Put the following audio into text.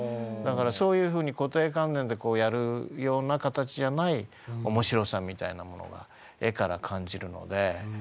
だからそういうふうに固定観念でやるような形じゃない面白さみたいなものが絵から感じるので。